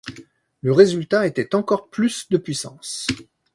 Le résultat était encore plus de puissance.